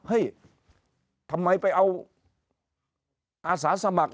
ทำไมไปเอาอาสาสมัคร